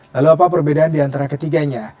lalu apa perbedaan diantara ketiganya